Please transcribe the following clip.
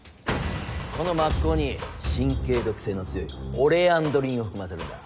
この抹香に神経毒性の強いオレアンドリンを含ませるんだ。